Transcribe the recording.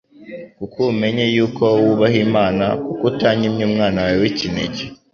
kuko ubu menye yuko wubaha Imana, kuko utanyimye umwana wawe w'ikinege."»